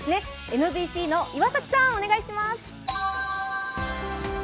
ＭＢＣの岩崎さん、お願いします。